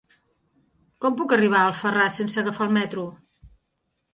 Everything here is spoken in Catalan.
Com puc arribar a Alfarràs sense agafar el metro?